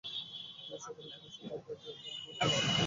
তিনি সকলের জন্য ছোটো কাজের ঘণ্টা এবং আরো ছুটির দিন চেয়েছিলেন।